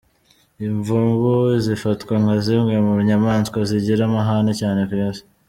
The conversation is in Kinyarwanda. Imvubu zifatwa nka zimwe mu nyamaswa zigira amahane cyane ku isi.